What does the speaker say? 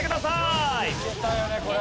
いけたよねこれ。